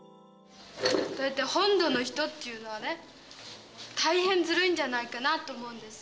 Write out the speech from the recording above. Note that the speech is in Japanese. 大体本土の人というのはね、大変ずるいんじゃないかなと思うんです。